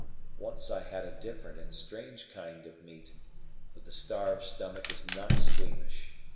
Once I had a different and strange kind of meat; but the starved stomach is not squeamish.